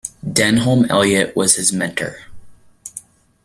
Denholm Elliott was his mentor.